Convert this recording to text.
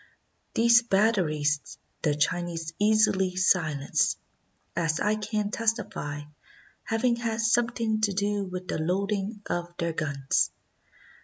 These batteries the Chinese easily silenced, as I can testify, having had something to do with the loading of their guns.